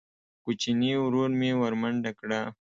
کوچیني ورور مې ورمنډه کړه.